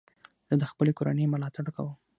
زه د خپلي کورنۍ ملاتړ کوم.